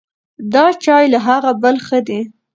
دا چای له هغه بل ښه دی.